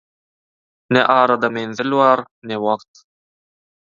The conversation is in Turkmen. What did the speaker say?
Ne arada menzil bar, ne wagt.